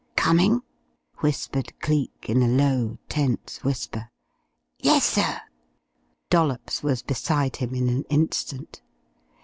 "Coming?" whispered Cleek in a low, tense whisper. "Yes sir." Dollops was beside him in an instant.